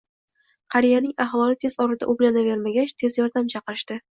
Qariyaning ahvoli tez orada o`nglanavermagach, Tez yordam chaqirishdi